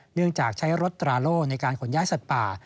จากใช้รถตราโล่ในการขนย้ายสัตว์ป่า